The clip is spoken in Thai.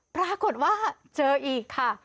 ปรากฏว่าเจออีกค่ะ